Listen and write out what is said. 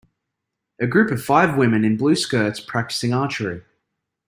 A group of five women in blue skirts practicing archery.